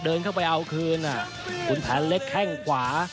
เดินเข้าไปเอาคืนขุนแผนเล็กแข้งขวา